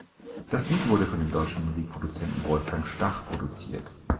Das Lied wurde von dem deutschen Musikproduzenten Wolfgang Stach produziert.